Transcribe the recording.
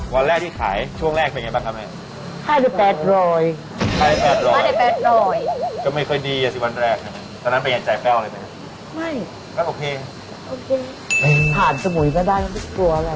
วันแรกที่ขายช่วงแรกเป็นไงบ้างครับแม่